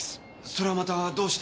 それはまたどうして？